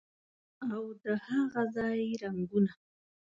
او د هاغه ځای رنګونه